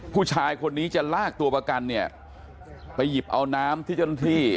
ผู้ชายคนนี้จะลากตัวประกันเนี่ยไปหยิบเอาน้ำที่เจ้าหน้าที่